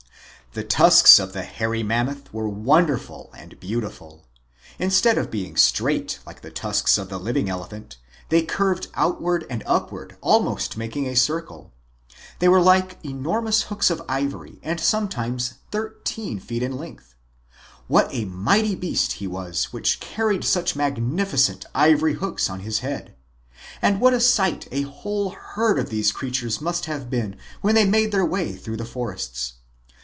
The tusks of the Hairy Mammoth were wonderful and beautiful. Instead of being straight like the tusks of the living elephant, they curved outward and upward almost making a circle. They were like enormous hooks of ivory and sometimes thirteen feet long. What a mighty beast he was which MAMMOTHS AND MASTODONS 119 carried such magnificent ivory hooks on his head ! And what a sight a whole herd of these creatures must have been when they made their way through the forests